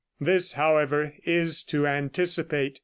This, however, is to anticipate.